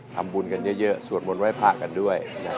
ทำบุญกันเยอะสวดมนต์ไว้ผ้ากันด้วยนะครับ